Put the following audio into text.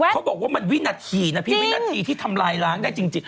เขาบอกว่ามันวินาทีนะพี่วินาทีที่ทำลายล้างได้จริง